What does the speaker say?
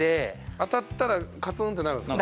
当たったらカツーンってなるんですか？